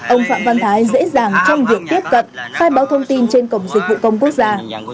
ông phạm văn thái dễ dàng trong việc tiếp cận khai báo thông tin trên cổng dịch vụ công quốc gia